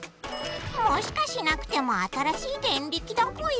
もしかしなくても新しいデンリキだぽよ！